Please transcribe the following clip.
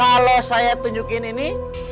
kalau saya tunjukin ini